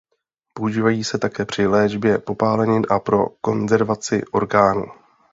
Používají se také při léčbě popálenin a pro konzervaci orgánů.